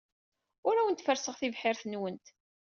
Ur awent-ferrseɣ tibḥirt-nwent.